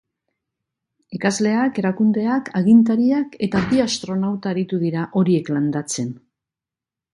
Ikasleak, erakundeak, agintariak eta bi astronauta aritu dira horiek landatzen.